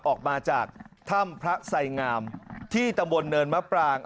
ออกมาจากถ้ำพระไสงามที่ตำบลเนินมะปราง